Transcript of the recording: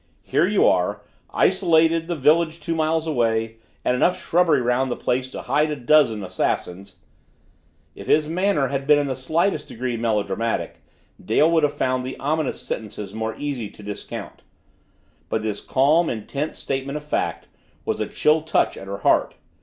Here you are isolated the village two miles away and enough shrubbery round the place to hide a dozen assassins " If his manner had been in the slightest degree melodramatic, Dale would have found the ominous sentences more easy to discount. But this calm, intent statement of fact was a chill touch at her heart.